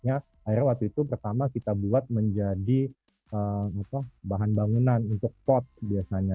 karena waktu itu pertama kita buat menjadi bahan bangunan untuk pot biasanya